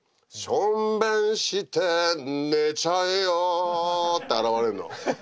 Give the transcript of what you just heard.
しょんべんして寝ちゃえよって現れるの。